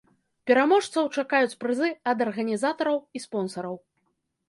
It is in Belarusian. Пераможцаў чакаюць прызы ад арганізатараў і спонсараў.